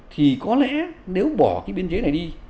thì có lẽ nếu bỏ cái biên chế này đi